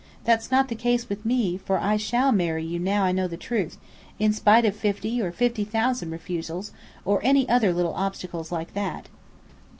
That's not the case with me, for I shall marry you, now I know the truth, in spite of fifty, or fifty thousand, refusals, or any other little obstacles like that."